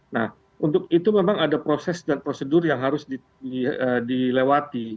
nah untuk itu memang ada proses dan prosedur yang harus dilewati